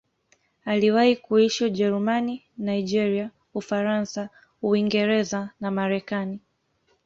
Aliwahi kuishi Ujerumani, Nigeria, Ufaransa, Uingereza na Marekani.